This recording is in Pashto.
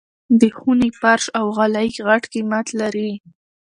د خوني فرش او غالۍ غټ قيمت لري.